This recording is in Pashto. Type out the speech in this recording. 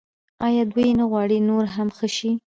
آیا دوی نه غواړي نور هم ښه شي؟